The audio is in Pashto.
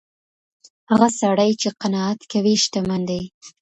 هغه سړی چي قناعت کوي شتمن دی.